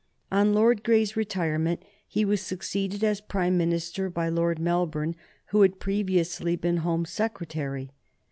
On Lord Grey's retirement he was succeeded as Prime Minister by Lord Melbourne, who had previously been Home Secretary.